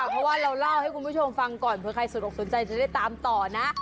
เพราะว่าเราเล่าให้คุณผู้ชมฟังก่อนเผื่อใครสนอกสนใจจะได้ตามต่อนะ